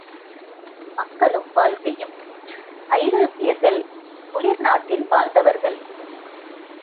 மக்களும் வாழ்க்கையும் ஐரோப்பியர்கள் குளிர் நாட்டில் வாழ்ந்தவர்கள்.